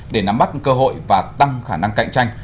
để nắm bắt cơ hội và tăng khả năng cạnh tranh